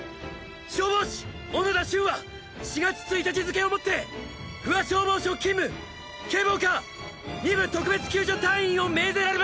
消防士斧田駿は４月１日付をもって不破消防署勤務警防課二部特別救助隊員を命ぜられました。